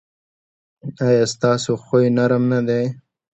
ایا ستاسو خوی نرم نه دی؟